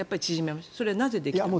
それはなぜできたんですか。